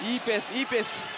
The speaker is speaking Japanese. いいペース。